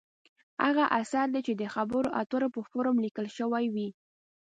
هغه اثر دی چې د خبرو اترو په فورم لیکل شوې وي.